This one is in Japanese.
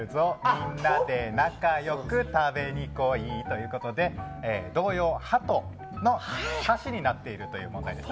みんなで仲良く食べに来いということで童謡「鳩」の歌詞になっているという問題です。